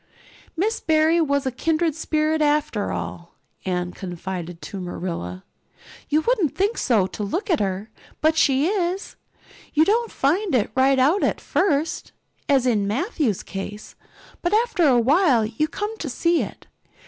"Miss Barry was a kindred spirit, after all," Anne confided to Marilla. "You wouldn't think so to look at her, but she is. You don't find it right out at first, as in Matthew's case, but after a while you come to see it.